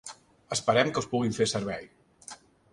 Esperem que us puguin fer servei.